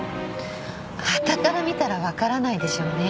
はたから見たら分からないでしょうね。